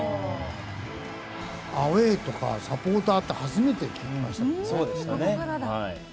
アウェーとかサポーターって初めて聞きましたもんね。